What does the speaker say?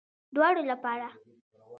دواړو لپاره